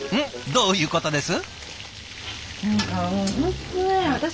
どういうことです？